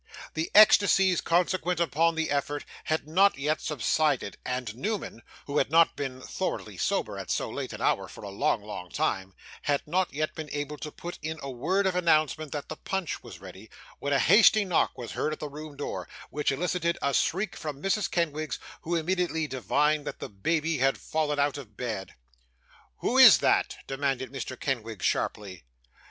The ecstasies consequent upon the effort had not yet subsided, and Newman (who had not been thoroughly sober at so late an hour for a long long time,) had not yet been able to put in a word of announcement, that the punch was ready, when a hasty knock was heard at the room door, which elicited a shriek from Mrs. Kenwigs, who immediately divined that the baby had fallen out of bed. 'Who is that?' demanded Mr. Kenwigs, sharply.